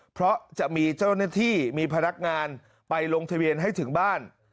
เพราะจะมีเจ้าหน้าที่มีพนักงานไปลงทะเบียนให้ถึงบ้าน